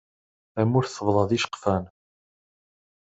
Tamurt tebḍa d iceqfan.